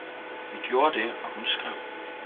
Vi gjorde det, og hun skrev